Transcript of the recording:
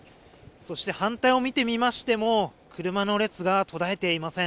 そして、反対を見てみましても、車の列が途絶えていません。